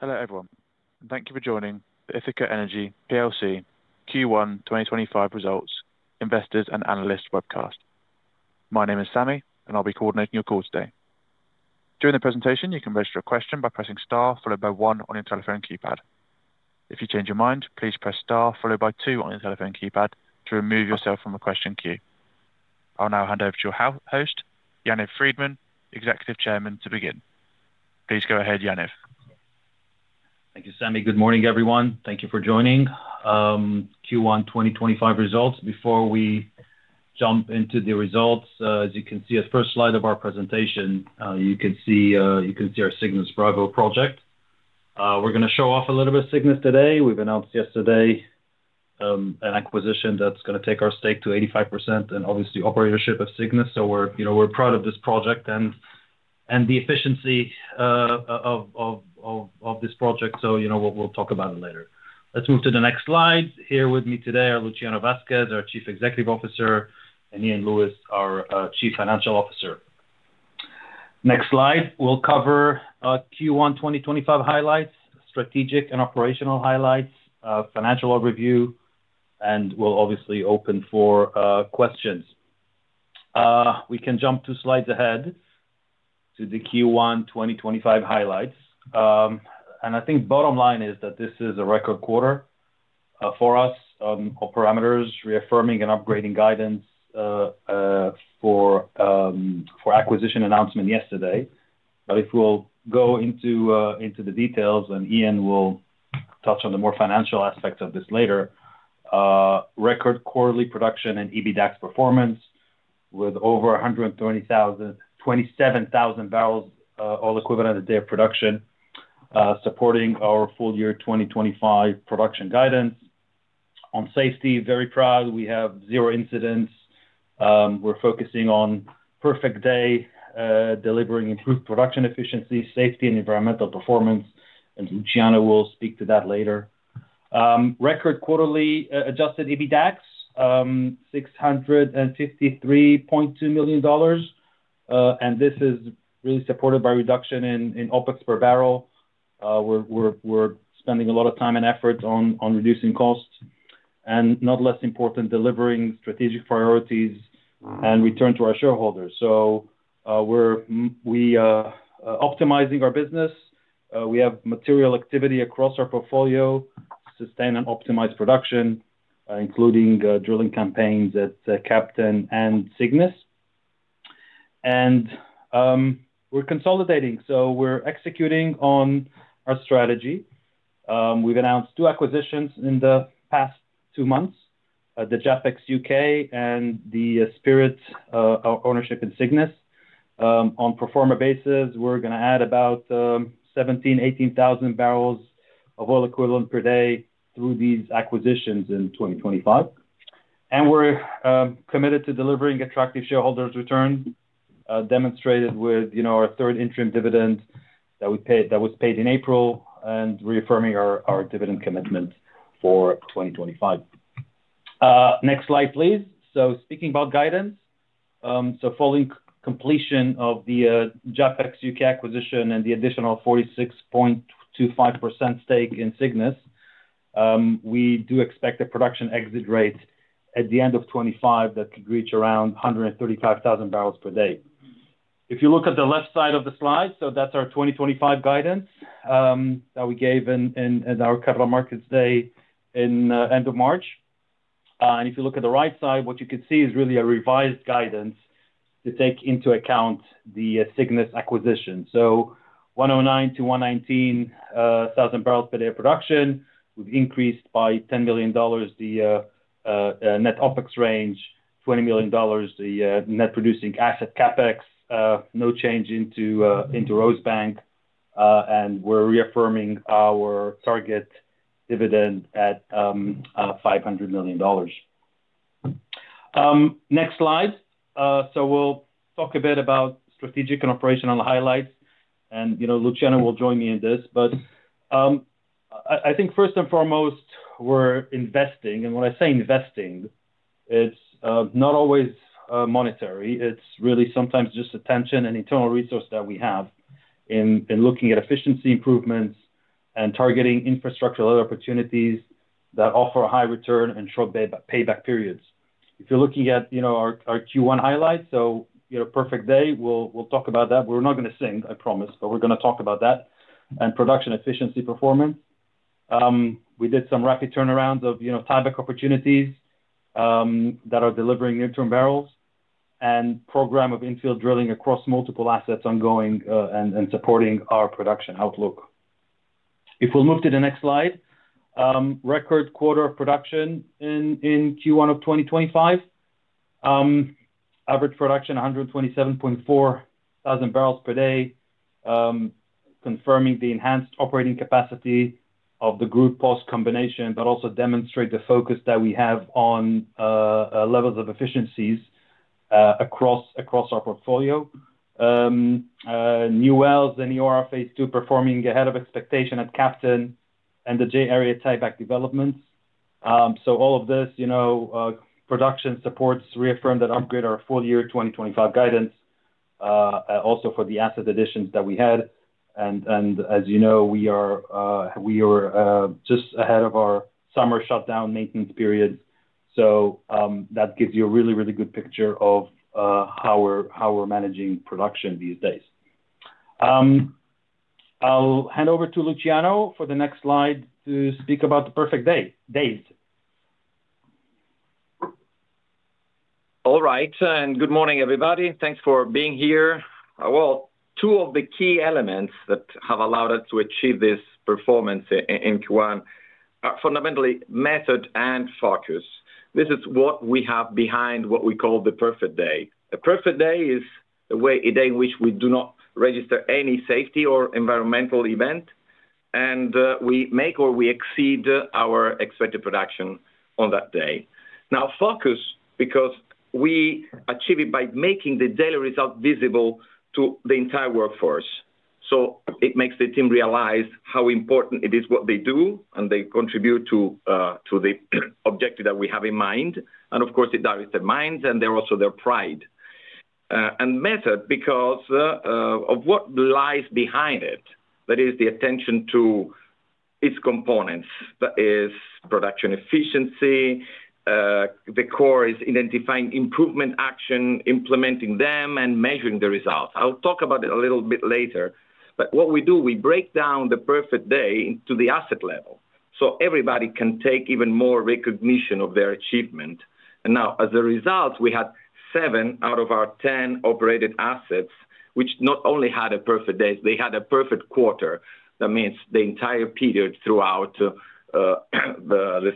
Hello everyone, and thank you for joining the Ithaca Energy Q1 2025 Results Investors and Analysts webcast. My name is Sammy, and I'll be coordinating your call today. During the presentation, you can register a question by pressing star followed by one on your telephone keypad. If you change your mind, please press star followed by two on your telephone keypad to remove yourself from the question queue. I'll now hand over to your host, Yaniv Friedman, Executive Chairman, to begin. Please go ahead, Yaniv. Thank you, Sammy. Good morning, everyone. Thank you for joining. Q1 2025 results. Before we jump into the results, as you can see at the first slide of our presentation, you can see our Cygnus Bravo project. We're gonna show off a little bit of Cygnus today. We've announced yesterday, an acquisition that's gonna take our stake to 85% and obviously operatorship of Cygnus. So, you know, we're proud of this project and the efficiency of this project. You know, we'll talk about it later. Let's move to the next slide. Here with me today are Luciano Vasquez, our Chief Executive Officer, and Iain Lewis, our Chief Financial Officer. Next slide. We'll cover Q1 2025 highlights, strategic and operational highlights, financial overview, and we'll obviously open for questions. We can jump two slides ahead to the Q1 2025 highlights. I think bottom line is that this is a record quarter for us, of parameters reaffirming and upgrading guidance, for acquisition announcement yesterday. If we'll go into the details, and Iain will touch on the more financial aspects of this later, record quarterly production and EBITDA performance with over 120,000, 27,000 barrels oil equivalent a day of production, supporting our full year 2025 production guidance. On safety, very proud. We have zero incidents. We're focusing on perfect day, delivering improved production efficiency, safety, and environmental performance. Luciano will speak to that later. Record quarterly, adjusted EBITDA, $653.2 million. This is really supported by reduction in OPEX per barrel. We're spending a lot of time and effort on reducing costs. Not less important, delivering strategic priorities and return to our shareholders. We're optimizing our business. We have material activity across our portfolio to sustain and optimize production, including drilling campaigns at Captain and Cygnus. We are consolidating, so we are executing on our strategy. We have announced two acquisitions in the past two months, the JAPEX UK and the Spirit ownership in Cygnus. On a pro forma basis, we are going to add about 17,000-18,000 barrels of oil equivalent per day through these acquisitions in 2025. We are committed to delivering attractive shareholders' return, demonstrated with, you know, our third interim dividend that we paid, that was paid in April and reaffirming our dividend commitment for 2025. Next slide, please. Speaking about guidance, following completion of the JAPEX UK acquisition and the additional 46.25% stake in Cygnus, we do expect a production exit rate at the end of 2025 that could reach around 135,000 barrels per day. If you look at the left side of the slide, so that's our 2025 guidance, that we gave in, in, at our Capital Markets Day in, end of March. If you look at the right side, what you could see is really a revised guidance to take into account the Cygnus acquisition. So 109-119 thousand barrels per day of production. We've increased by $10 million, the net OPEX range, $20 million, the net producing asset CapEx, no change into Rosebank. We are reaffirming our target dividend at $500 million. Next slide. We will talk a bit about strategic and operational highlights. And, you know, Luciano will join me in this. I think first and foremost, we're investing. And when I say investing, it's not always monetary. It's really sometimes just attention and internal resource that we have in, in looking at efficiency improvements and targeting infrastructure-led opportunities that offer a high return and short payback, payback periods. If you're looking at, you know, our, our Q1 highlights, so, you know, perfect day, we'll, we'll talk about that. We're not gonna sing, I promise, but we're gonna talk about that and production efficiency performance. We did some rapid turnarounds of, you know, tieback opportunities, that are delivering interim barrels and program of infield drilling across multiple assets ongoing, and, and supporting our production outlook. If we'll move to the next slide, record quarter of production in, in Q1 of 2025. Average production 127.4 thousand barrels per day, confirming the enhanced operating capacity of the group cost combination, but also demonstrate the focus that we have on, levels of efficiencies, across, across our portfolio. New wells and new RFAs too performing ahead of expectation at Captain and the J Area tieback developments. All of this, you know, production supports reaffirm that upgrade our full year 2025 guidance, also for the asset additions that we had. As you know, we are just ahead of our summer shutdown maintenance period. That gives you a really, really good picture of how we're, how we're managing production these days. I'll hand over to Luciano for the next slide to speak about the Perfect Day, days. All right. Good morning, everybody. Thanks for being here. Two of the key elements that have allowed us to achieve this performance in Q1 are fundamentally method and focus. This is what we have behind what we call the perfect day. A perfect day is a day in which we do not register any safety or environmental event, and we make or we exceed our expected production on that day. Now, focus, because we achieve it by making the daily result visible to the entire workforce. It makes the team realize how important it is what they do and they contribute to the objective that we have in mind. Of course, it directs their minds and also their pride. Method, because of what lies behind it, that is the attention to its components. That is production efficiency. The core is identifying improvement action, implementing them, and measuring the results. I'll talk about it a little bit later. What we do, we break down the perfect day into the asset level so everybody can take even more recognition of their achievement. As a result, we had seven out of our 10 operated assets, which not only had a perfect day, they had a perfect quarter. That means the entire period throughout the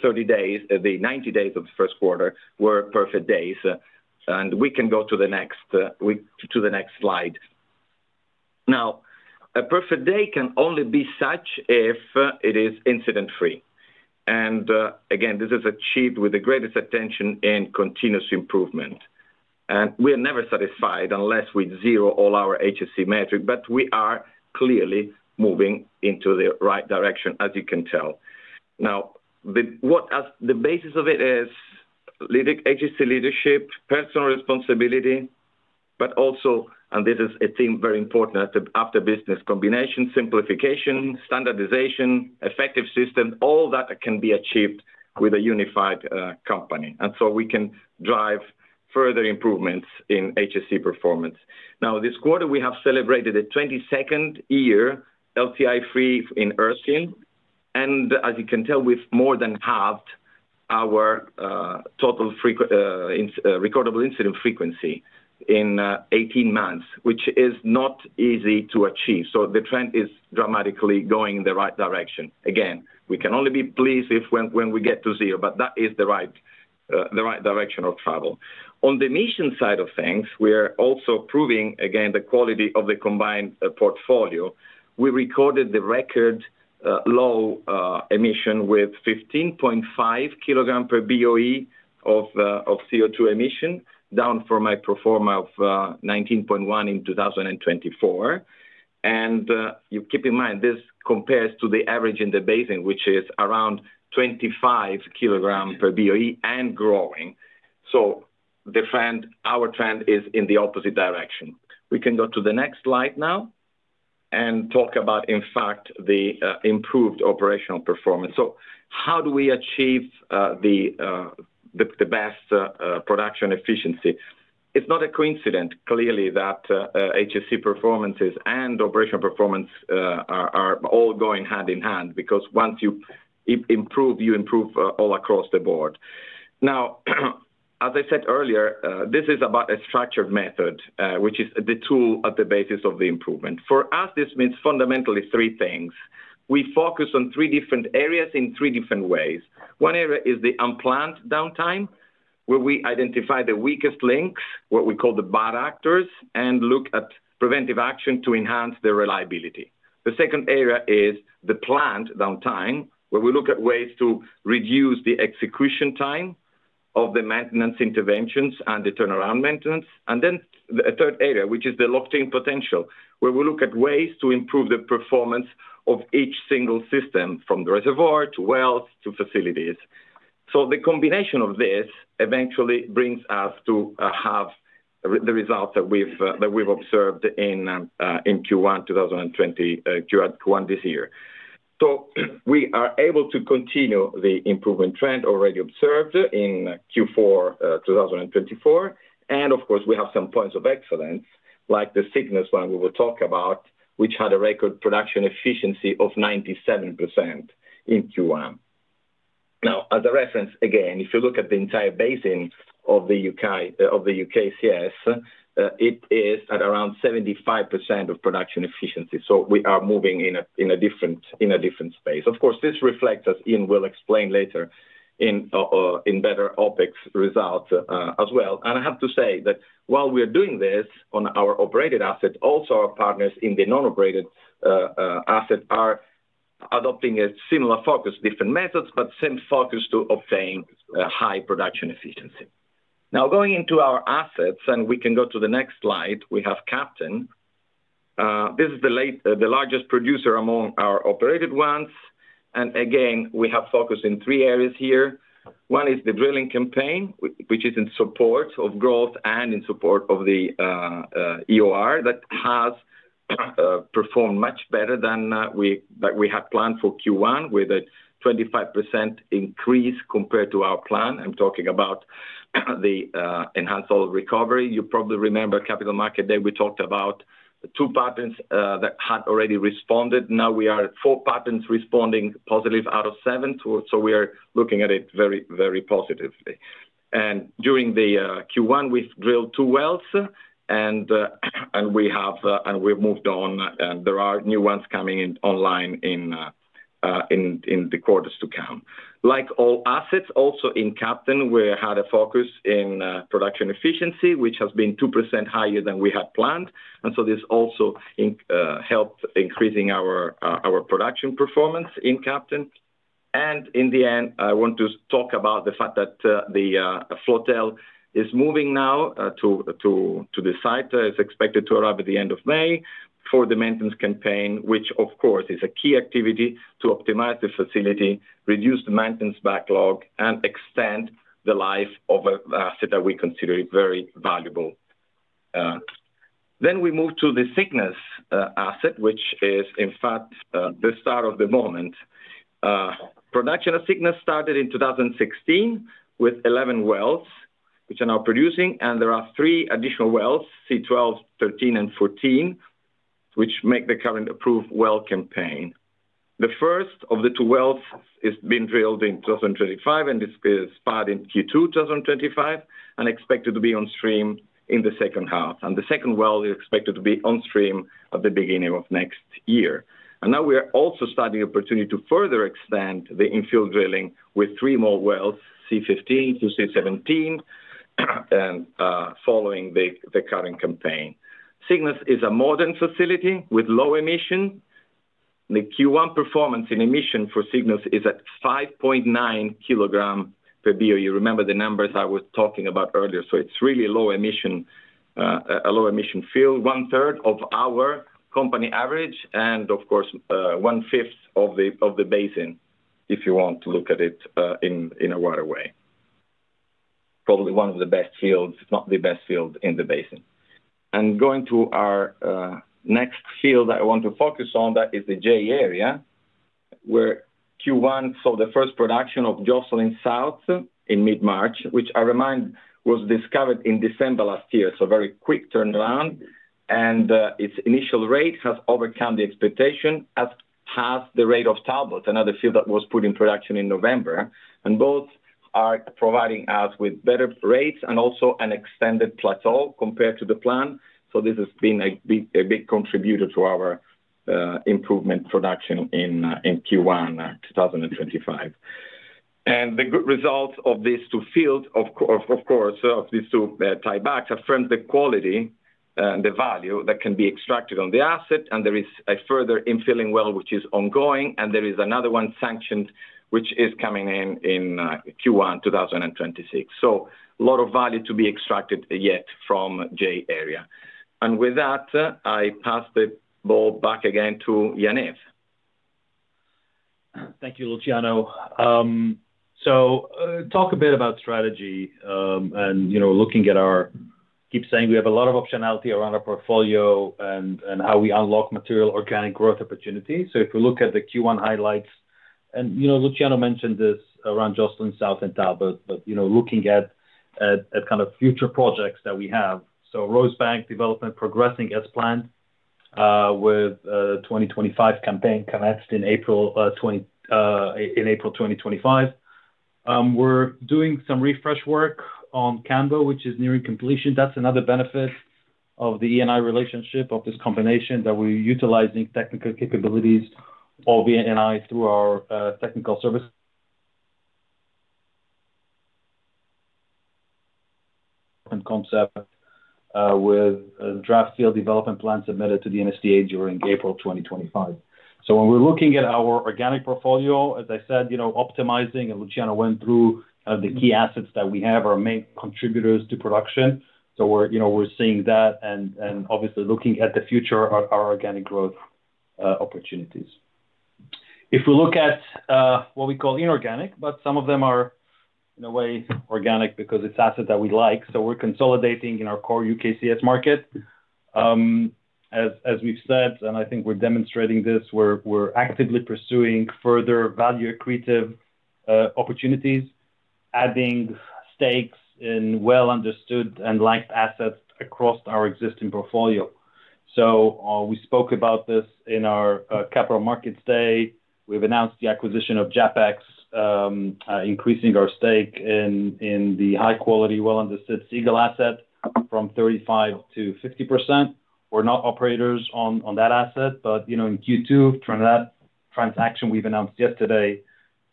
30 days, the 90 days of the first quarter were perfect days. We can go to the next slide. Now, a perfect day can only be such if it is incident-free. Again, this is achieved with the greatest attention and continuous improvement. We are never satisfied unless we zero all our HSSE metric, but we are clearly moving in the right direction, as you can tell. Now, what is the basis of it is lead HSSE leadership, personal responsibility, but also, and this is a theme very important, after business combination, simplification, standardization, effective system, all that can be achieved with a unified company. We can drive further improvements in HSSE performance. This quarter, we have celebrated the 22nd year LTI-free in Erskine. As you can tell, we've more than halved our total frequency in recordable incident frequency in 18 months, which is not easy to achieve. The trend is dramatically going in the right direction. Again, we can only be pleased if when we get to zero, but that is the right direction of travel. On the emission side of things, we are also proving again the quality of the combined portfolio. We recorded the record low emission with 15.5 kilogram per BOE of CO2 emission, down from a performer of 19.1 in 2024. You keep in mind this compares to the average in the basin, which is around 25 kilogram per BOE and growing. The trend, our trend is in the opposite direction. We can go to the next slide now and talk about, in fact, the improved operational performance. How do we achieve the best production efficiency? It's not a coincidence, clearly, that HSSE performances and operational performance are all going hand in hand, because once you improve, you improve all across the board. As I said earlier, this is about a structured method, which is the tool at the basis of the improvement. For us, this means fundamentally three things. We focus on three different areas in three different ways. One area is the unplanned downtime, where we identify the weakest links, what we call the bad actors, and look at preventive action to enhance their reliability. The second area is the planned downtime, where we look at ways to reduce the execution time of the maintenance interventions and the turnaround maintenance. The third area, which is the locked-in potential, where we look at ways to improve the performance of each single system from the reservoir to wells to facilities. The combination of this eventually brings us to have the results that we've observed in Q1 2020, Q1 this year. We are able to continue the improvement trend already observed in Q4 2024. Of course, we have some points of excellence, like the Cygnus one we will talk about, which had a record production efficiency of 97% in Q1. Now, as a reference, again, if you look at the entire basin of the U.K., of the UKCS, it is at around 75% of production efficiency. We are moving in a different, in a different space. This reflects us in, we'll explain later, in better OpEx results, as well. I have to say that while we are doing this on our operated asset, also our partners in the non-operated asset are adopting a similar focus, different methods, but same focus to obtain a high production efficiency. Now, going into our assets, and we can go to the next slide, we have Captain. This is the largest producer among our operated ones. We have focus in three areas here. One is the drilling campaign, which is in support of growth and in support of the EOR that has performed much better than we had planned for Q1 with a 25% increase compared to our plan. I'm talking about the enhanced oil recovery. You probably remember Capital Markets Day. We talked about two patterns that had already responded. Now we are at four patterns responding positive out of seven. We are looking at it very, very positively. During Q1, we've drilled two wells, and we've moved on, and there are new ones coming online in the quarters to come. Like all assets, also in Captain, we had a focus in production efficiency, which has been 2% higher than we had planned. This also helped increase our production performance in Captain. In the end, I want to talk about the fact that the flotel is moving now to the site. It is expected to arrive at the end of May for the maintenance campaign, which of course is a key activity to optimize the facility, reduce the maintenance backlog, and extend the life of an asset that we consider very valuable. We move to the Cygnus asset, which is in fact the star of the moment. Production of Cygnus started in 2016 with 11 wells, which are now producing, and there are three additional wells, C12, 13, and 14, which make the current approved well campaign. The first of the two wells is being drilled in 2025, and this is spotted in Q2 2025 and expected to be on stream in the second half. The second well is expected to be on stream at the beginning of next year. We are also starting the opportunity to further extend the infield drilling with three more wells, C15 to C17, following the current campaign. Cygnus is a modern facility with low emission. The Q1 performance in emission for Cygnus is at 5.9 kilogram per BOE. Remember the numbers I was talking about earlier. It is really a low emission field, one third of our company average, and, of course, one fifth of the basin, if you want to look at it in a wide way. Probably one of the best fields, if not the best field in the basin. Going to our next field that I want to focus on, that is the J Area, where Q1 saw the first production of Jocelyn South in mid-March, which I remind was discovered in December last year. Very quick turnaround. Its initial rate has overcome the expectation as has the rate of Talbot, another field that was put in production in November. Both are providing us with better rates and also an extended plateau compared to the plan. This has been a big contributor to our improvement production in Q1 2025. The good results of these two fields, of course, of these two tiebacks affirm the quality and the value that can be extracted on the asset. There is a further infilling well, which is ongoing, and there is another one sanctioned, which is coming in Q1 2026. A lot of value to be extracted yet from J Area. With that, I pass the ball back again to Yaniv. Thank you, Luciano. So, talk a bit about strategy, and, you know, looking at our, keep saying we have a lot of optionality around our portfolio and, and how we unlock material organic growth opportunity. If we look at the Q1 highlights, and, you know, Luciano mentioned this around Jocelyn South and Talbot, but, you know, looking at kind of future projects that we have. Rosebank development progressing as planned, with 2025 campaign commenced in April, in April 2025. We're doing some refresh work on Cambo, which is nearing completion. That's another benefit of the Eni relationship of this combination that we're utilizing technical capabilities of Eni through our technical service. And concept, with a draft field development plan submitted to the NSTA during April 2025. When we're looking at our organic portfolio, as I said, you know, optimizing, and Luciano went through kind of the key assets that we have, our main contributors to production. We're, you know, we're seeing that and, obviously looking at the future, our organic growth opportunities. If we look at what we call inorganic, but some of them are in a way organic because it's assets that we like. We're consolidating in our core UKCS market, as we've said, and I think we're demonstrating this. We're actively pursuing further value accretive opportunities, adding stakes in well-understood and liked assets across our existing portfolio. We spoke about this in our Capital Markets Day. We've announced the acquisition of JAPEX UK, increasing our stake in the high quality, well-understood Seagull asset from 35% to 50%. We're not operators on that asset, but, you know, in Q2, that transaction we announced yesterday,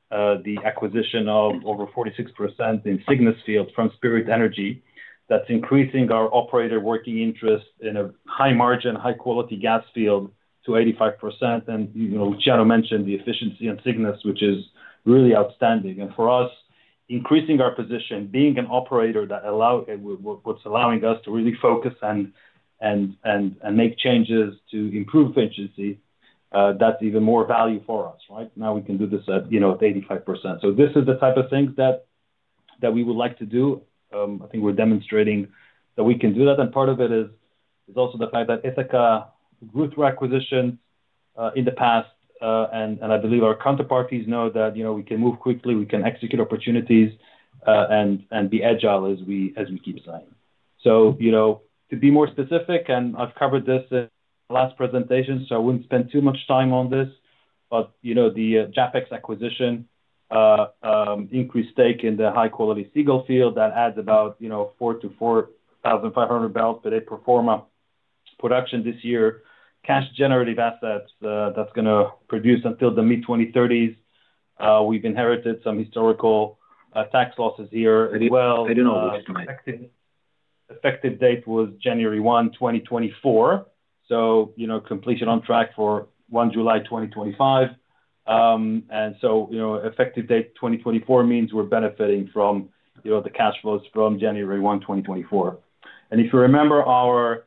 the acquisition of over 46% in Cygnus field from Spirit Energy, that's increasing our operator working interest in a high margin, high quality gas field to 85%. You know, Luciano mentioned the efficiency on Cygnus, which is really outstanding. For us, increasing our position, being an operator, that's allowing us to really focus and make changes to improve efficiency, that's even more value for us, right? Now we can do this at 85%. This is the type of things that we would like to do. I think we're demonstrating that we can do that. Part of it is also the fact that Ithaca grew through acquisitions in the past, and I believe our counterparties know that we can move quickly, we can execute opportunities, and be agile as we keep saying. To be more specific, and I've covered this in the last presentation, so I wouldn't spend too much time on this, but the JAPEX UK acquisition increased our stake in the high quality Seagull field. That adds about 4,000-4,500 barrels per day pro forma production this year. Cash generative assets, that's going to produce until the mid-2030s. We've inherited some historical tax losses here as well. Effective date was January 1, 2024. You know, completion on track for July 1, 2025. You know, effective date 2024 means we're benefiting from, you know, the cash flows from January 1, 2024. If you remember our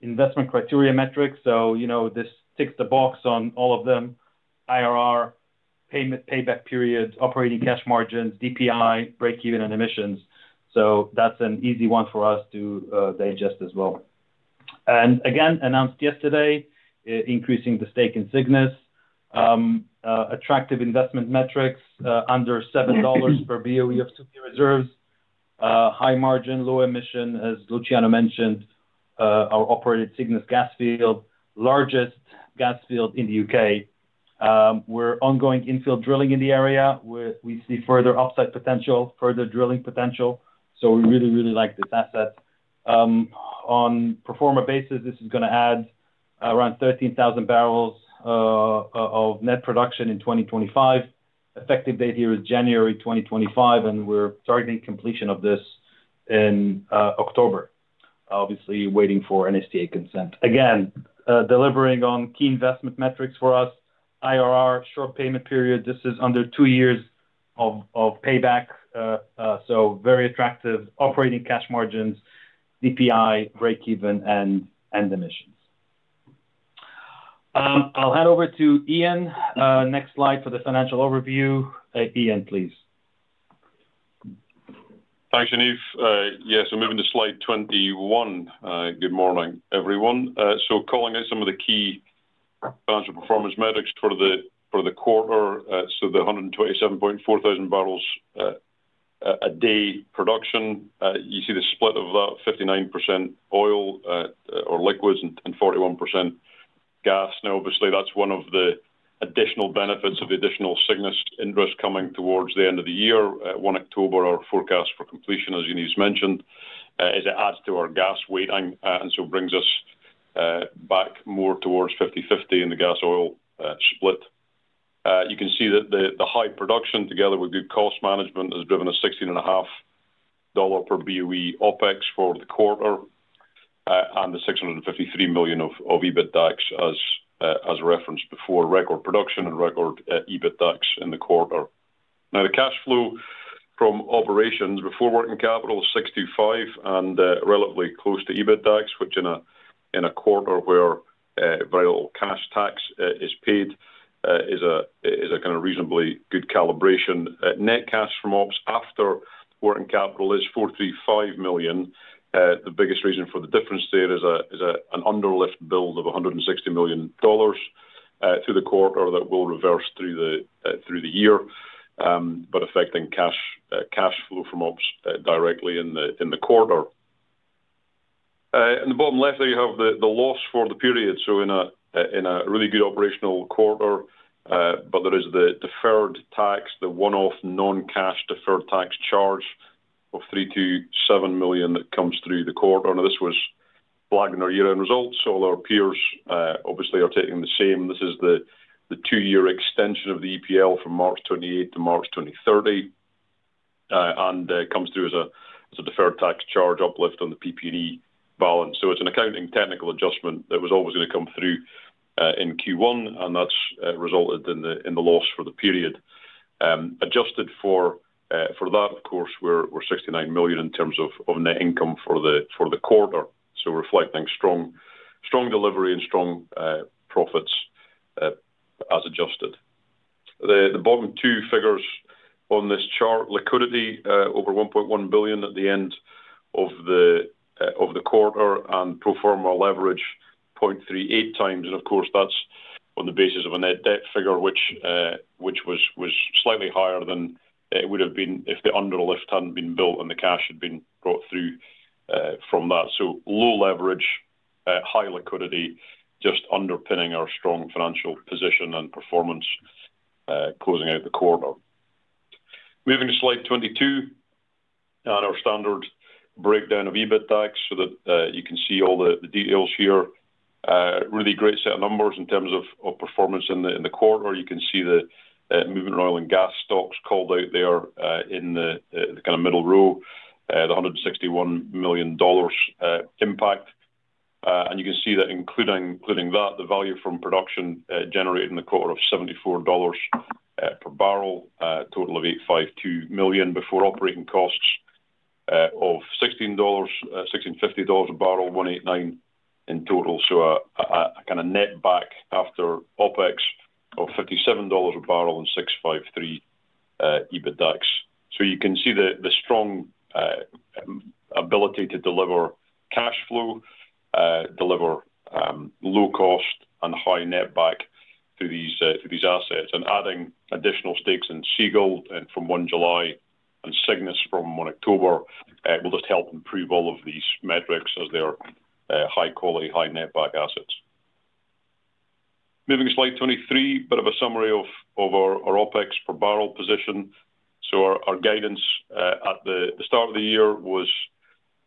investment criteria metrics, you know, this ticks the box on all of them, IRR, payback period, operating cash margins, DPI, breakeven, and emissions. That is an easy one for us to digest as well. Announced yesterday, increasing the stake in Cygnus, attractive investment metrics, under $7 per BOE of 2P reserves, high margin, low emission, as Luciano mentioned, our operated Cygnus gas field, largest gas field in the UK. We're ongoing infield drilling in the area. We see further upside potential, further drilling potential. We really, really like this asset. pro forma basis, this is going to add around 13,000 barrels of net production in 2025. Effective date here is January 2025, and we are targeting completion of this in October. Obviously, waiting for NSTA consent. Again, delivering on key investment metrics for us: IRR, short payback period. This is under two years of payback, so very attractive operating cash margins, DPI, breakeven, and emissions. I'll hand over to Iain. Next slide for the financial overview. Iain, please. Thanks, Yaniv. Yeah, so moving to slide 21. Good morning, everyone. So calling out some of the key financial performance metrics for the quarter, so the 127,400 barrels a day production. You see the split of that, 59% oil or liquids, and 41% gas. Now, obviously, that's one of the additional benefits of the additional Cygnus ingress coming towards the end of the year, 1 October, our forecast for completion, as Yaniv's mentioned, as it adds to our gas weighting, and so brings us back more towards 50/50 in the gas oil split. You can see that the high production together with good cost management has driven a $16.5 per BOE OPEX for the quarter, and the $653 million of EBITDA as referenced before, record production and record EBITDA in the quarter. Now, the cash flow from operations before working capital is $625 million and, relatively close to EBITDA, which in a, in a quarter where very little cash tax is paid, is a kind of reasonably good calibration. Net cash from ops after working capital is $435 million. The biggest reason for the difference there is an underlift build of $160 million through the quarter that will reverse through the year, but affecting cash flow from ops directly in the quarter. In the bottom left, there you have the loss for the period. In a really good operational quarter, but there is the deferred tax, the one-off non-cash deferred tax charge of $327 million that comes through the quarter. This was flagged in our year-end results. All our peers, obviously, are taking the same. This is the two-year extension of the EPL from March 28 to March 2030, and comes through as a deferred tax charge uplift on the PPD balance. It is an accounting technical adjustment that was always going to come through in Q1, and that has resulted in the loss for the period. Adjusted for that, of course, we are $69 million in terms of net income for the quarter. Reflecting strong delivery and strong profits, as adjusted. The bottom two figures on this chart, liquidity, over $1.1 billion at the end of the quarter and proforma leverage 0.38 times. Of course, that is on the basis of a net debt figure, which was slightly higher than it would have been if the underlift had not been built and the cash had been brought through from that. Low leverage, high liquidity, just underpinning our strong financial position and performance, closing out the quarter. Moving to slide 22 and our standard breakdown of EBITDA so that you can see all the details here. Really great set of numbers in terms of performance in the quarter. You can see the moving oil and gas stocks called out there, in the kind of middle row, the $161 million impact. You can see that including that, the value from production, generating the quarter of $74 per barrel, total of $852 million before operating costs, of $16.50 a barrel, $189 million in total. A kind of net back after OPEX of $57 a barrel and $653 million EBITDA. You can see the strong ability to deliver cash flow, deliver low cost and high net back through these assets. Adding additional stakes in Seagull from July 1 and Cygnus from October 1 will just help improve all of these metrics as they are high quality, high net back assets. Moving to slide 23, a bit of a summary of our OpEx per barrel position. Our guidance at the start of the year was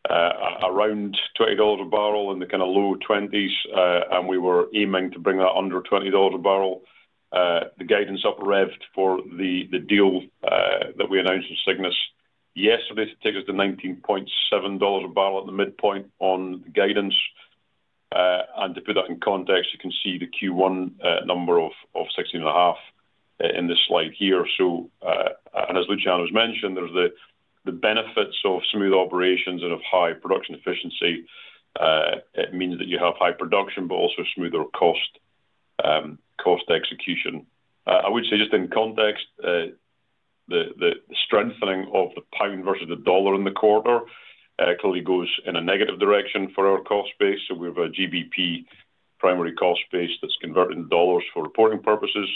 around $20 a barrel in the kind of low 20s, and we were aiming to bring that under $20 a barrel. The guidance up revved for the deal that we announced in Cygnus yesterday to take us to $19.7 a barrel at the midpoint on the guidance. To put that in context, you can see the Q1 number of 16.5 in this slide here. As Luciano has mentioned, there are the benefits of smooth operations and of high production efficiency. It means that you have high production, but also smoother cost execution. I would say just in context, the strengthening of the pound versus the dollar in the quarter clearly goes in a negative direction for our cost base. We have a GBP primary cost base that's converted into dollars for reporting purposes.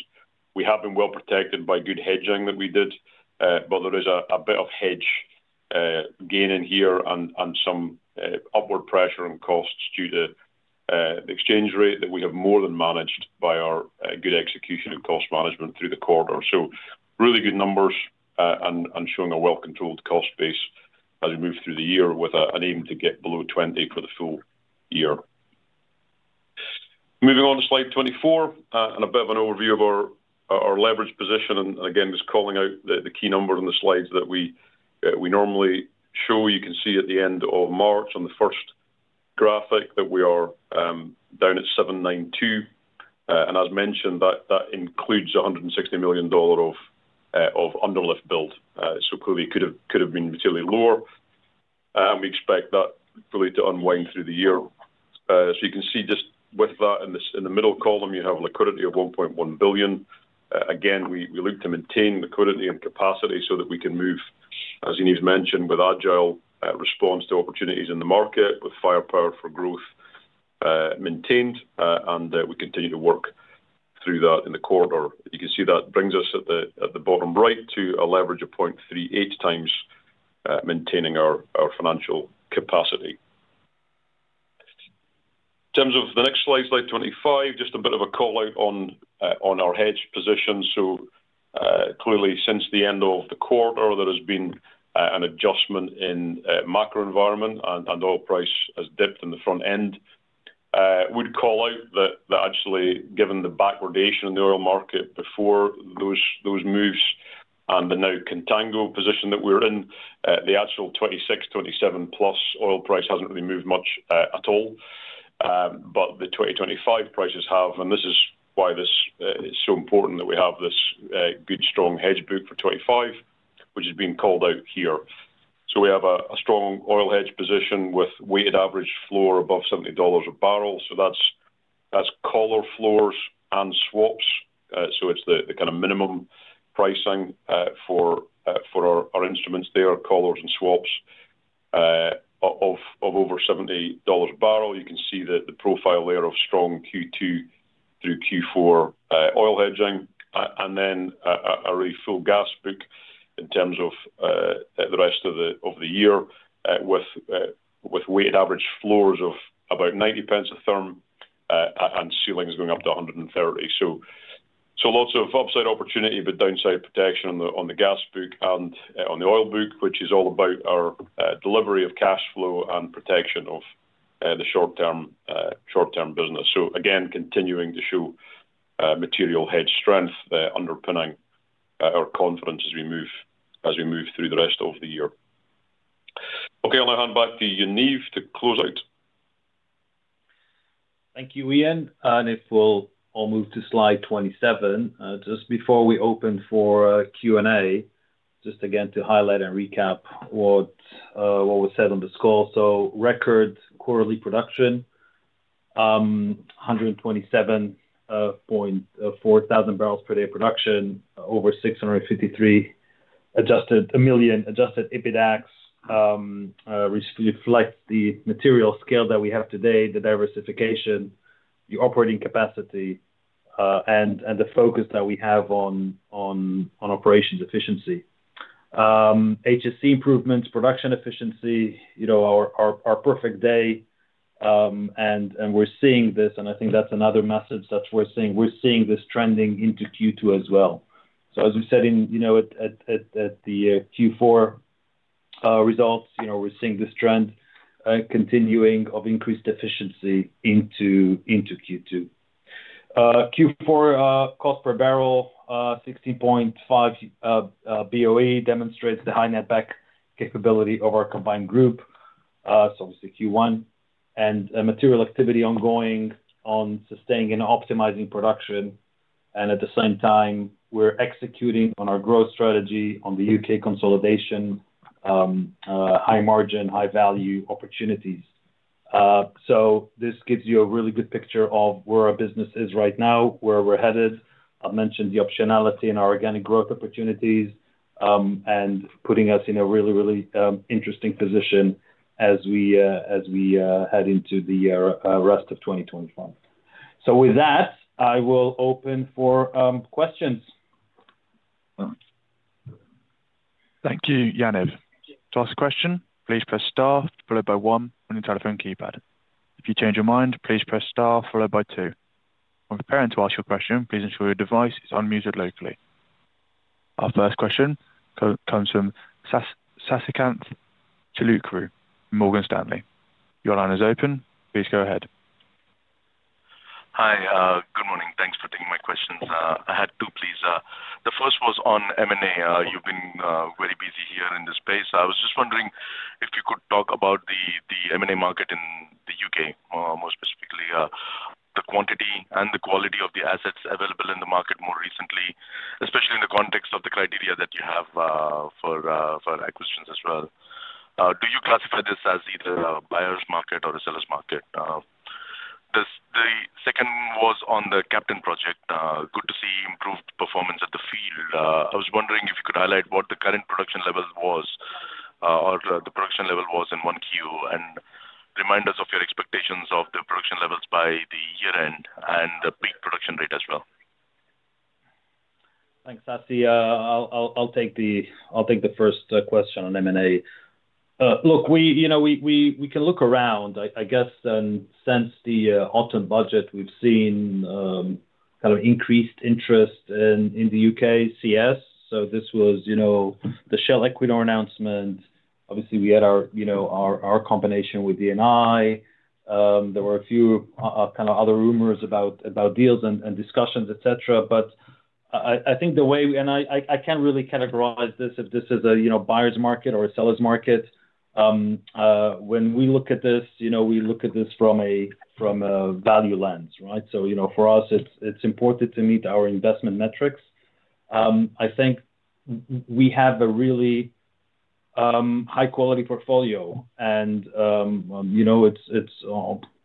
We have been well protected by good hedging that we did, but there is a bit of hedge gain in here and some upward pressure on costs due to the exchange rate that we have more than managed by our good execution and cost management through the quarter. Really good numbers, and showing a well-controlled cost base as we move through the year with an aim to get below 20 for the full year. Moving on to slide 24, and a bit of an overview of our leverage position. Again, just calling out the key number on the slides that we normally show. You can see at the end of March on the first graphic that we are down at 792. As mentioned, that includes $160 million of underlift build, so clearly it could have been materially lower. We expect that really to unwind through the year. You can see just with that in the middle column, you have liquidity of $1.1 billion. Again, we look to maintain liquidity and capacity so that we can move, as Yaniv's mentioned, with agile response to opportunities in the market, with firepower for growth maintained, and we continue to work through that in the quarter. You can see that brings us at the, at the bottom right to a leverage of 0.38 times, maintaining our financial capacity. In terms of the next slide, slide 25, just a bit of a call out on our hedge position. Clearly since the end of the quarter, there has been an adjustment in macro environment and oil price has dipped in the front end. I would call out that actually given the backwardation in the oil market before those moves and the now contango position that we are in, the actual 2026, 2027 plus oil price has not really moved much at all. The 2025 prices have, and this is why this is so important that we have this good strong hedge book for 2025, which has been called out here. We have a strong oil hedge position with weighted average floor above $70 a barrel. That is collar floors and swaps, so it is the kind of minimum pricing for our instruments there, collars and swaps, of over $70 a barrel. You can see the profile there of strong Q2 through Q4 oil hedging, and then a really full gas book in terms of the rest of the year, with weighted average floors of about 90 pence a therm, and ceilings going up to 130. There is lots of upside opportunity, but downside protection on the gas book and on the oil book, which is all about our delivery of cash flow and protection of the short term business. Again, continuing to show material hedge strength, underpinning our confidence as we move through the rest of the year. Okay, I'll now hand back to Yaniv to close out. Thank you, Iain. If we all move to slide 27, just before we open for a Q&A, just again to highlight and recap what was said on this call. Record quarterly production, 127,400 barrels per day production, over $653 million adjusted EBITDA. Reflects the material scale that we have today, the diversification, the operating capacity, and the focus that we have on operations efficiency. HSSE improvements, production efficiency, you know, our perfect day. We are seeing this, and I think that's another message that we are seeing. We are seeing this trending into Q2 as well. As we said in, you know, at the Q4 results, you know, we are seeing this trend continuing of increased efficiency into Q2. Q4 cost per barrel, $16.5 BOE, demonstrates the high net back capability of our combined group. Obviously Q1 and material activity ongoing on sustaining and optimizing production. At the same time, we're executing on our growth strategy on the U.K. consolidation, high margin, high value opportunities. This gives you a really good picture of where our business is right now, where we're headed. I've mentioned the optionality in our organic growth opportunities, and putting us in a really, really interesting position as we head into the rest of 2025. With that, I will open for questions. Thank you, Yaniv. To ask a question, please press star, followed by one, and then tap the phone keypad. If you change your mind, please press star, followed by two. When preparing to ask your question, please ensure your device is unmuted locally. Our first question comes from Sasikanth Chilukuru, Morgan Stanley. Your line is open. Please go ahead. Hi, good morning. Thanks for taking my questions. I had two, please. The first was on M&A. You've been very busy here in this space. I was just wondering if you could talk about the M&A market in the U.K., more specifically, the quantity and the quality of the assets available in the market more recently, especially in the context of the criteria that you have for acquisitions as well. Do you classify this as either a buyer's market or a seller's market? The second was on the Captain project. Good to see improved performance at the field. I was wondering if you could highlight what the current production level was, or the production level was in Q1, and remind us of your expectations of the production levels by the year-end and the peak production rate as well. Thanks, Sasi. I'll take the first question on M&A. Look, we can look around, I guess, and since the autumn budget, we've seen kind of increased interest in the UKCS. This was the Shell Equinor announcement. Obviously, we had our combination with Eni. There were a few kind of other rumors about deals and discussions, et cetera. I think the way we, and I can't really categorize this if this is a buyer's market or a seller's market. When we look at this, we look at this from a value lens, right? For us, it's important to meet our investment metrics. I think we have a really high quality portfolio and, you know, it's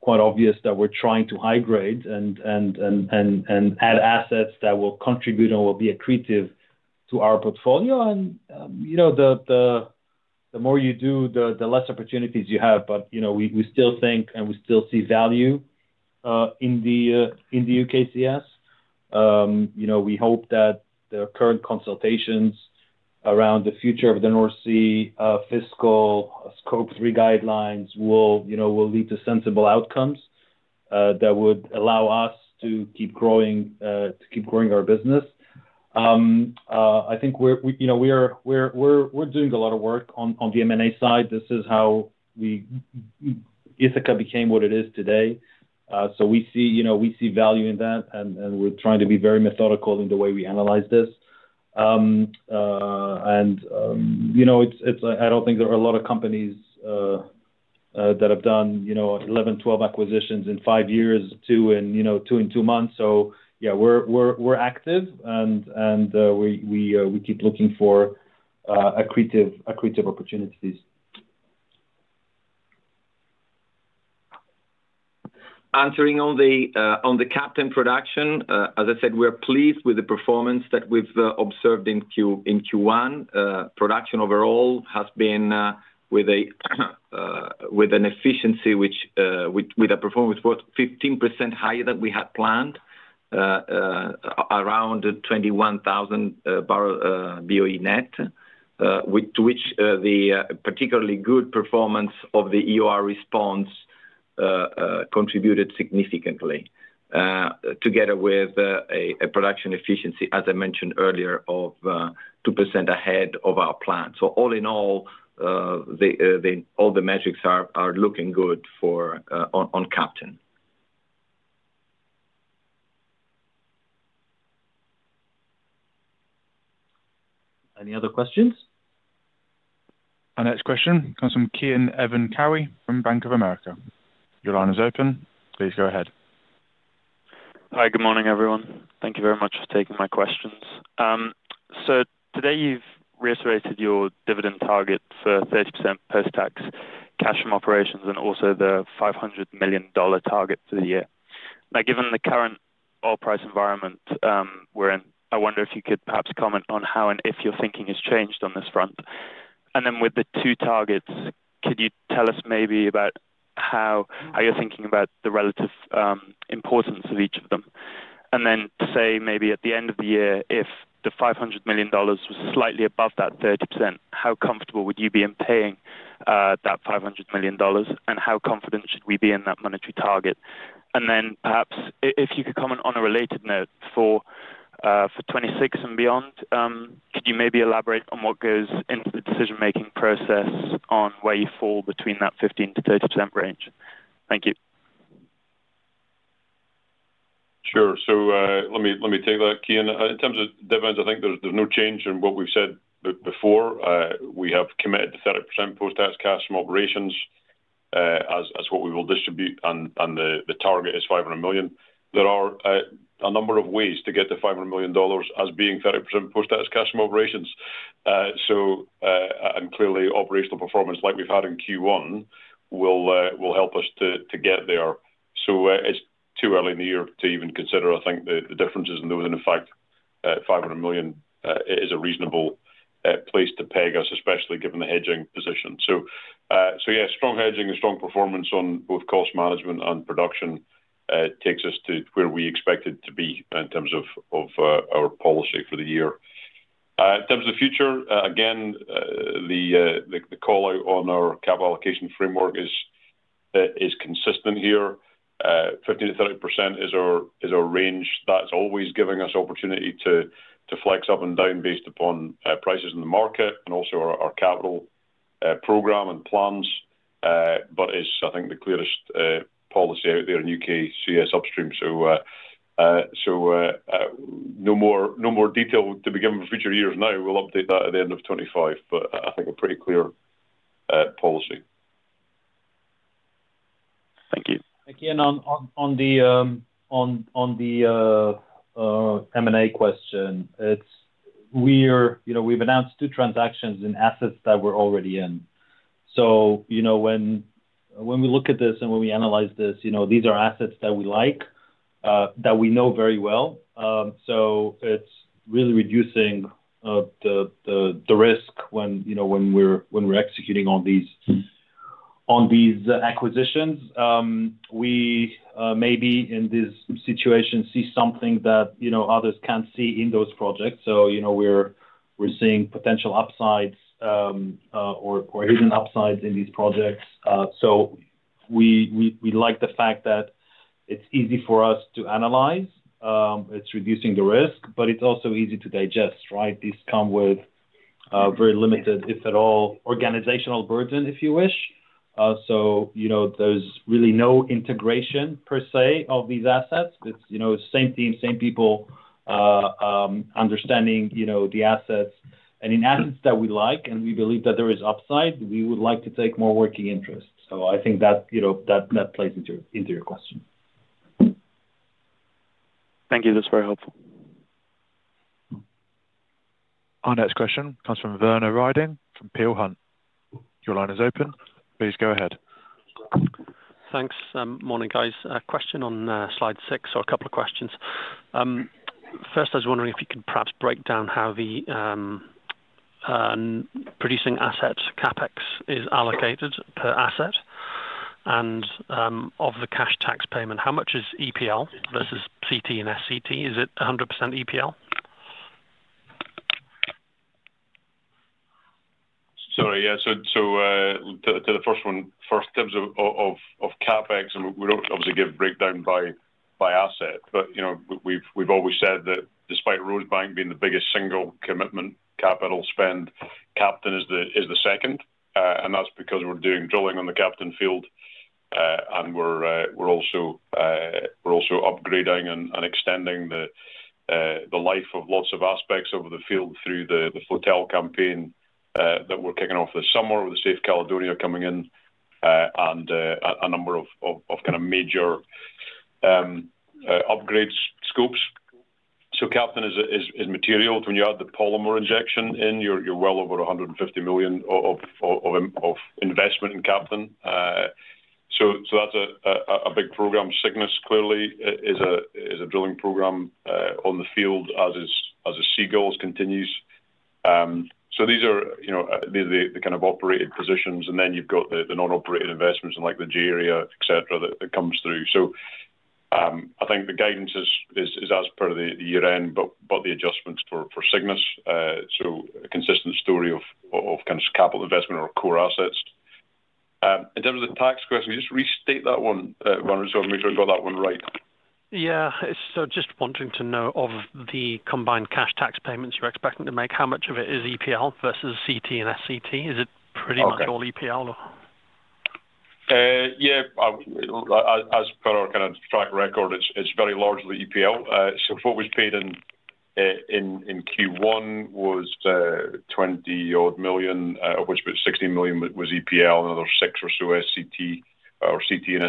quite obvious that we're trying to high grade and add assets that will contribute and will be accretive to our portfolio. You know, the more you do, the less opportunities you have. But, you know, we still think and we still see value in the UKCS. You know, we hope that the current consultations around the future of the North Sea, fiscal scope three guidelines will, you know, will lead to sensible outcomes that would allow us to keep growing, to keep growing our business. I think we're, you know, we are doing a lot of work on the M&A side. This is how we Ithaca became what it is today. We see, you know, we see value in that and we're trying to be very methodical in the way we analyze this. You know, I don't think there are a lot of companies that have done, you know, 11, 12 acquisitions in five years, two in, you know, two in two months. Yeah, we're active and we keep looking for accretive, accretive opportunities. Answering on the Captain production, as I said, we are pleased with the performance that we've observed in Q1. Production overall has been, with an efficiency, which, with a performance was 15% higher than we had planned, around 21,000 BOE net, which, the particularly good performance of the EOR response, contributed significantly, together with a production efficiency, as I mentioned earlier, of 2% ahead of our plan. All in all, all the metrics are looking good for Captain. Any other questions? Our next question comes from Kean Evan Carry from Bank of America. Your line is open. Please go ahead. Hi, good morning everyone. Thank you very much for taking my questions. Today you've reiterated your dividend target for 30% post-tax cash from operations and also the $500 million target for the year. Now, given the current oil price environment we're in, I wonder if you could perhaps comment on how and if your thinking has changed on this front. With the two targets, could you tell us maybe about how you're thinking about the relative importance of each of them? Maybe at the end of the year, if the $500 million was slightly above that 30%, how comfortable would you be in paying that $500 million and how confident should we be in that monetary target? Perhaps if you could comment on a related note for 2026 and beyond, could you maybe elaborate on what goes into the decision-making process on where you fall between that 15-30% range? Thank you. Sure. Let me take that, Kean. In terms of dividends, I think there is no change in what we have said before. We have committed to 30% post-tax cash from operations as what we will distribute, and the target is $500 million. There are a number of ways to get to the $500 million as being 30% post-tax cash from operations, and clearly operational performance like we have had in Q1 will help us to get there. It is too early in the year to even consider, I think, the differences in those. In fact, $500 million is a reasonable place to peg us, especially given the hedging position. Strong hedging and strong performance on both cost management and production takes us to where we expected to be in terms of our policy for the year. In terms of the future, again, the call out on our capital allocation framework is consistent here. 15%-30% is our range, that's always giving us opportunity to flex up and down based upon prices in the market and also our capital program and plans. I think the clearest policy out there in UKCS upstream. No more detail to be given for future years now. We'll update that at the end of 2025, but I think a pretty clear policy. Thank you. Again, on the M&A question, we've announced two transactions in assets that we're already in. When we look at this and when we analyze this, these are assets that we like, that we know very well. It's really reducing the risk when we're executing on these acquisitions. Maybe in this situation we see something that others can't see in those projects. We're seeing potential upsides, or hidden upsides in these projects. We like the fact that it's easy for us to analyze. It's reducing the risk, but it's also easy to digest, right? These come with very limited, if at all, organizational burden, if you wish. You know, there's really no integration per se of these assets. It's, you know, same team, same people, understanding, you know, the assets. In assets that we like and we believe that there is upside, we would like to take more working interest. I think that plays into your question. Thank you. That's very helpful. Our next question comes from Verna Riding from Peel Hunt. Your line is open. Please go ahead. Thanks. Morning guys. Question on slide six or a couple of questions. First, I was wondering if you could perhaps break down how the producing assets CapEx is allocated per asset and, of the cash tax payment, how much is EPL versus CT and SCT? Is it 100% EPL? Sorry. Yeah. To the first one, in terms of CapEx, and we do not obviously give breakdown by asset, but, you know, we have always said that despite Rosebank being the biggest single commitment capital spend, Captain is the second. That is because we are doing drilling on the Captain field, and we are also upgrading and extending the life of lots of aspects of the field through the Flotile campaign that we are kicking off this summer with the Safe Caledonia coming in, and a number of kind of major upgrade scopes. Captain is material. When you add the polymer injection in, you are well over $150 million of investment in Captain. That is a big program. Cygnus clearly is a drilling program on the field as is, as is Seagull continues. These are, you know, these are the kind of operated positions. Then you have the non-operated investments like the J Area, et cetera, that comes through. I think the guidance is as per the year-end, but the adjustments for Cygnus, so a consistent story of kind of capital investment or core assets. In terms of the tax question, just restate that one, Verna, so I make sure I have that one right. Yeah. Just wanting to know of the combined cash tax payments you're expecting to make, how much of it is EPL versus CT and SCT? Is it pretty much all EPL or? Yeah. As per our kind of track record, it is very largely EPL. What was paid in Q1 was $20 million-odd, of which $16 million was EPL and another $6 million or so CT and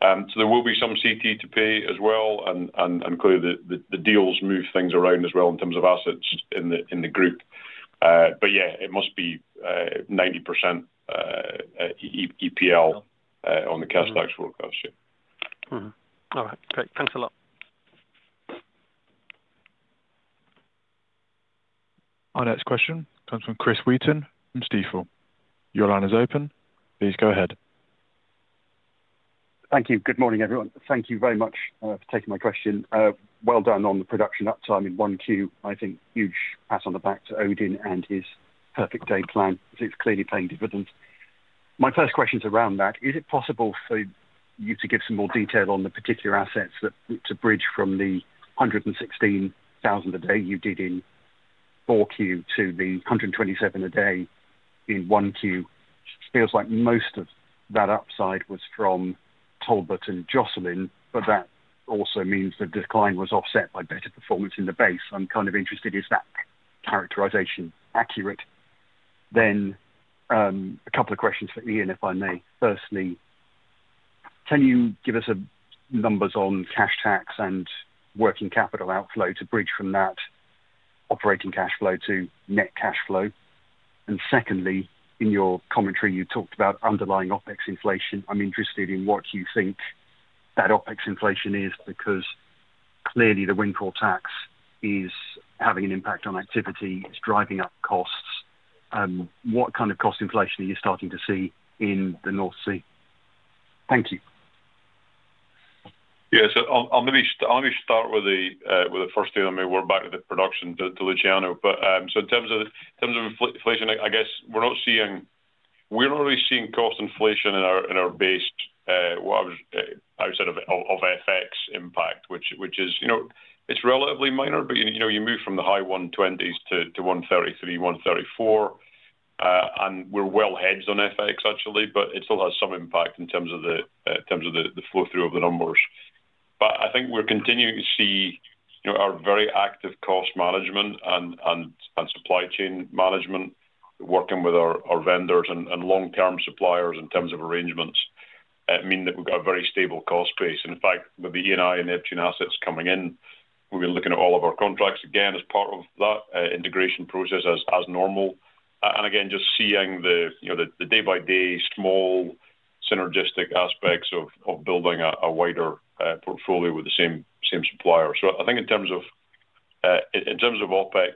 SCT. There will be some CT to pay as well, and clearly the deals move things around as well in terms of assets in the group. Yeah, it must be 90% EPL on the cash tax forecast. Yeah. Mm-hmm. All right. Great. Thanks a lot. Our next question comes from Chris Wheaton from Stifel. Your line is open. Please go ahead. Thank you. Good morning everyone. Thank you very much for taking my question. Well done on the production uptime in Q1. I think huge hat on the back to Odin and his Perfect Day plan because it's clearly paying dividends. My first question's around that. Is it possible for you to give some more detail on the particular assets that bridge from the 116,000 a day you did in Q4 to the 127,000 a day in Q1? Feels like most of that upside was from Talbot and Jocelyn, but that also means the decline was offset by better performance in the base. I'm kind of interested, is that characterization accurate? Then, a couple of questions for Iain, if I may. Firstly, can you give us numbers on cash tax and working capital outflow to bridge from that operating cash flow to net cash flow? Secondly, in your commentary, you talked about underlying OPEX inflation. I'm interested in what you think that OPEX inflation is because clearly the windfall tax is having an impact on activity. It's driving up costs. What kind of cost inflation are you starting to see in the North Sea? Thank you. Yeah. I'll maybe start with the first thing. Let me work back to the production to Luciano. In terms of inflation, I guess we're not seeing, we're not really seeing cost inflation in our base, outside of FX impact, which is, you know, it's relatively minor, but you move from the high 120s to 133, 134, and we're well hedged on FX actually, but it still has some impact in terms of the flow through of the numbers. I think we're continuing to see our very active cost management and supply chain management, working with our vendors and long-term suppliers in terms of arrangements, mean that we've got a very stable cost base. In fact, with the E&I and Neptune assets coming in, we've been looking at all of our contracts again as part of that integration process as normal, and again, just seeing the day-by-day small synergistic aspects of building a wider portfolio with the same supplier. I think in terms of OpEx,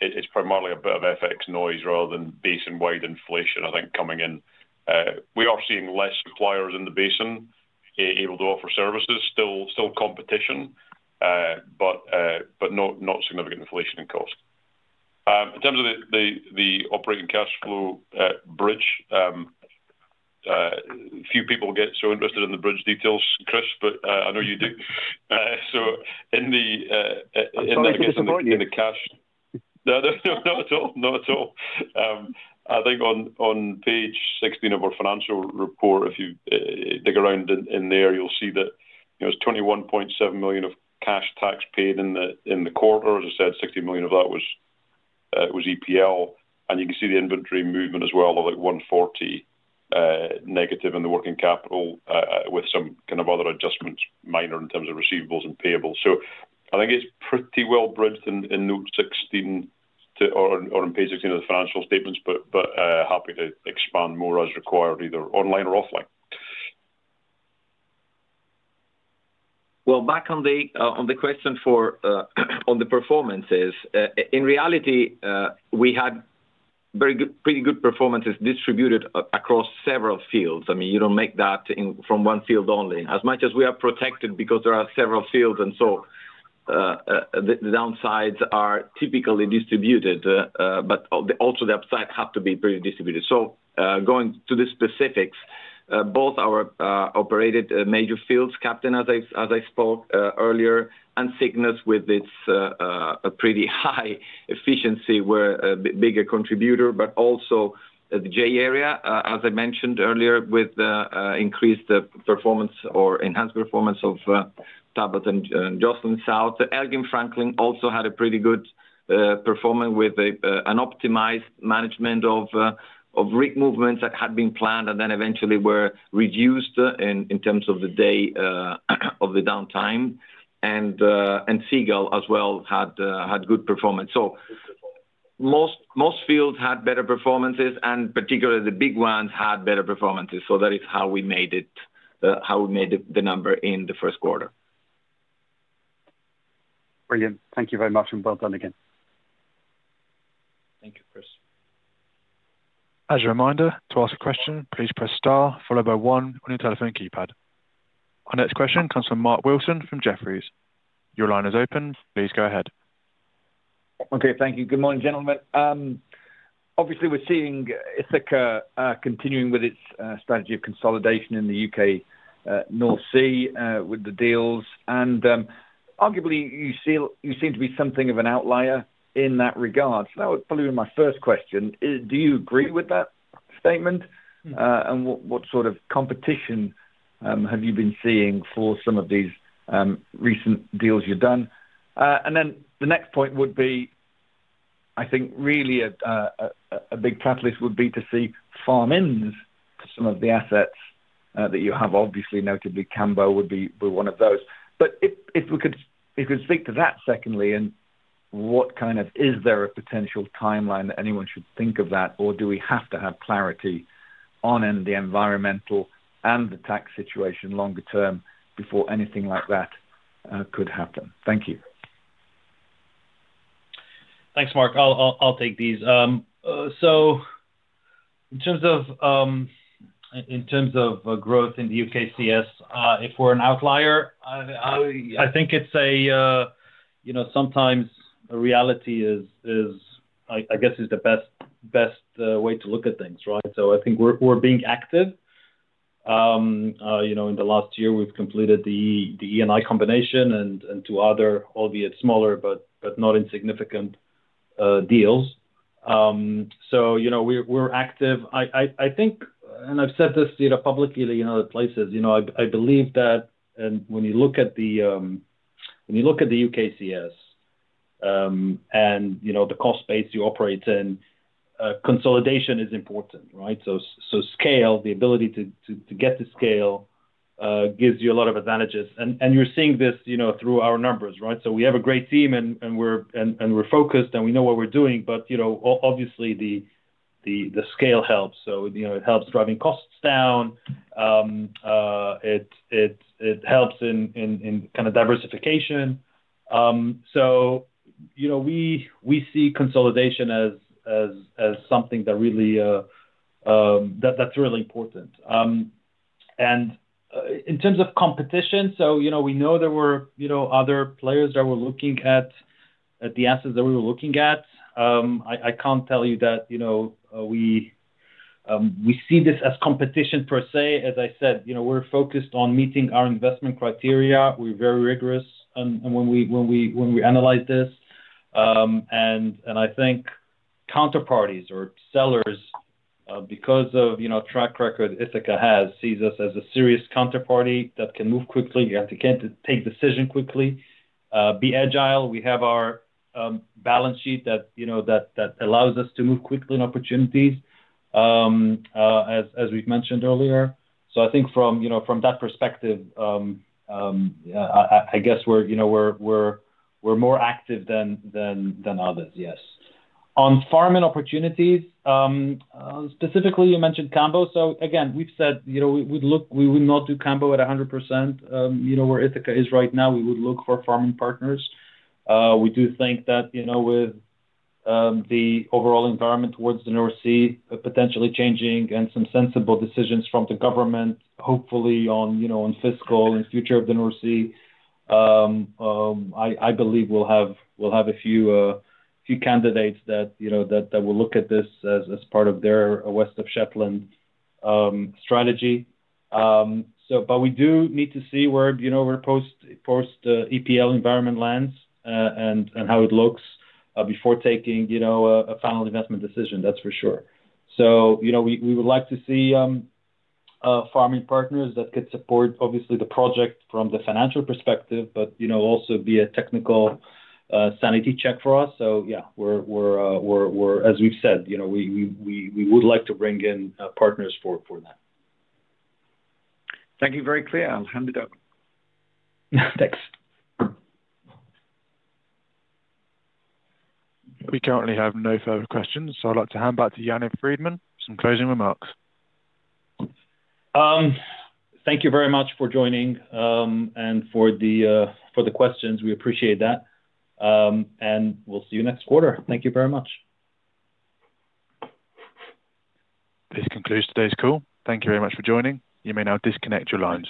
it is primarily a bit of FX noise rather than basin-wide inflation, I think, coming in. We are seeing fewer suppliers in the basin able to offer services. Still competition, but not significant inflation in cost. In terms of the operating cash flow bridge, few people get so interested in the bridge details, Chris, but I know you do. In the cash. Not at all. No, not at all. I think on page 16 of our financial report, if you dig around in there, you'll see that, you know, it's $21.7 million of cash tax paid in the quarter. As I said, $60 million of that was EPL. You can see the inventory movement as well of like $140 million, negative in the working capital, with some kind of other adjustments minor in terms of receivables and payables. I think it's pretty well bridged in note 16 to, or on page 16 of the financial statements, but happy to expand more as required either online or offline. Back on the question for, on the performances, in reality, we had very good, pretty good performances distributed across several fields. I mean, you do not make that in from one field only. As much as we are protected because there are several fields and so, the downsides are typically distributed, but also the upside have to be pretty distributed. Going to the specifics, both our operated major fields, Captain, as I spoke earlier, and Cygnus with its pretty high efficiency were a bigger contributor, but also the J Area, as I mentioned earlier, with increased performance or enhanced performance of Talbot and Jocelyn South. Elgin Franklin also had a pretty good performance with an optimized management of rig movements that had been planned and then eventually were reduced in terms of the day, of the downtime. Seagull as well had good performance. Most fields had better performances and particularly the big ones had better performances. That is how we made it, how we made the number in the first quarter. Brilliant. Thank you very much and well done. As a reminder, to ask a question, please press star followed by one on your telephone keypad. Our next question comes from Mark Wilson from Jefferies. Your line is open. Please go ahead. Okay. Thank you. Good morning, gentlemen. Obviously we're seeing Ithaca continuing with its strategy of consolidation in the U.K. North Sea with the deals. Arguably, you seem to be something of an outlier in that regard. That would probably be my first question. Do you agree with that statement? Mm-hmm. What sort of competition have you been seeing for some of these recent deals you've done? The next point would be, I think really a big catalyst would be to see farm-ins to some of the assets that you have. Obviously, notably Cambo would be one of those. If we could speak to that secondly, is there a potential timeline that anyone should think of for that, or do we have to have clarity on the environmental and the tax situation longer term before anything like that could happen? Thank you. Thanks, Mark. I'll take these. In terms of growth in the UKCS, if we're an outlier, I think it's a, you know, sometimes a reality is, I guess is the best way to look at things, right? I think we're being active. You know, in the last year we've completed the E&I combination and two other, albeit smaller, but not insignificant, deals. You know, we're active. I think, and I've said this publicly in other places, I believe that, and when you look at the UKCS, and, you know, the cost base you operate in, consolidation is important, right? Scale, the ability to get to scale, gives you a lot of advantages. You are seeing this, you know, through our numbers, right? We have a great team and we are focused and we know what we are doing, but, you know, obviously the scale helps. It helps driving costs down. It helps in kind of diversification. We see consolidation as something that is really important. In terms of competition, you know, we know there were other players that were looking at the assets that we were looking at. I cannot tell you that we see this as competition per se. As I said, we are focused on meeting our investment criteria. We are very rigorous. When we analyze this, and I think counterparties or sellers, because of, you know, the track record Ithaca has, see us as a serious counterparty that can move quickly, can take decisions quickly, be agile. We have our balance sheet that allows us to move quickly in opportunities, as we've mentioned earlier. I think from that perspective, I guess we're more active than others. Yes, on farming opportunities, specifically you mentioned Cambo. Again, we've said we would not do Cambo at 100%. You know, where Ithaca is right now, we would look for farming partners. We do think that, you know, with the overall environment towards the North Sea potentially changing and some sensible decisions from the government, hopefully on, you know, on fiscal and future of the North Sea, I believe we'll have a few candidates that, you know, will look at this as part of their West of Shetland strategy. We do need to see where, you know, the post-EPL environment lands, and how it looks, before taking a final investment decision, that's for sure. You know, we would like to see farming partners that could support obviously the project from the financial perspective, but, you know, also be a technical sanity check for us. Yeah, as we've said, you know, we would like to bring in partners for that. Thank you, very clear. I'll hand it over. Thanks. We currently have no further questions. I would like to hand back to Yaniv Friedman for some closing remarks. Thank you very much for joining, and for the questions. We appreciate that. We'll see you next quarter. Thank you very much. This concludes today's call. Thank you very much for joining. You may now disconnect your lines.